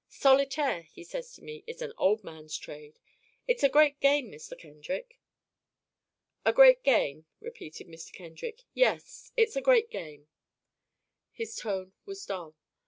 'Solitaire,' he says to me, 'is an old man's trade.' It's a great game, Mr. Kendrick." "A great game," repeated Kendrick, "yes, it's a great game." His tone was dull.